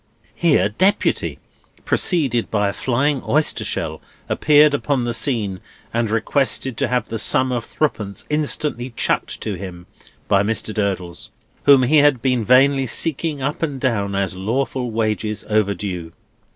'" Here, Deputy (preceded by a flying oyster shell) appeared upon the scene, and requested to have the sum of threepence instantly "chucked" to him by Mr. Durdles, whom he had been vainly seeking up and down, as lawful wages overdue.